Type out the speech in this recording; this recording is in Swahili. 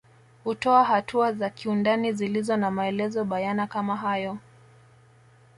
Hutoa hatua za kiundani zilizo na maelezo bayana kama hayo